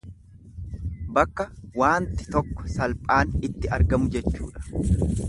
Bakka waanti tokko salphaan itti argamu jechuudha.